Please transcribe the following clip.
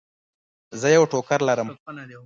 زه یو ټوکر لرم.